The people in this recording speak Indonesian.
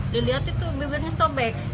dilihat itu bibirnya sobek